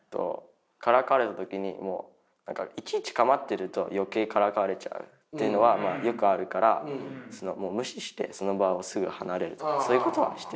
からかわれた時にもういちいち構ってると余計からかわれちゃうっていうのはよくあるから無視してその場をすぐ離れるとかそういうことはしてる。